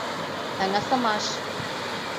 Таҥасымаш